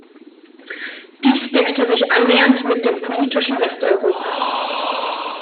Dies deckte sich annähernd mit dem politischen Westeuropa.